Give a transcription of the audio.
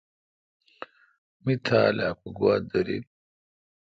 می تھال اؘ کو گوا دیرل۔